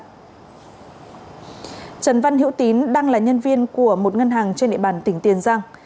trần văn hữu tín đang là nhân viên của một ngân hàng trên địa bàn tỉnh tiền giang